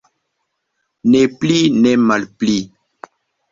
Ne pli, ne malpli.